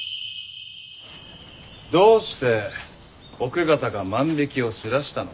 どうして奥方が万引きをしだしたのか。